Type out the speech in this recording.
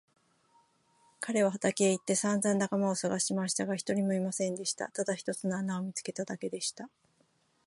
彼は畑へ行ってさんざん仲間をさがしましたが、一人もいませんでした。ただ一つの穴を見つけただけでした。